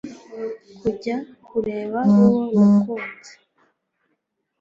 kujya kureba uwo nakunze